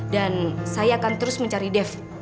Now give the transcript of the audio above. dan saya akan terus mencari dev